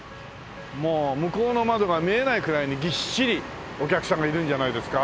もう向こうの窓が見えないくらいにぎっしりお客さんがいるんじゃないですか？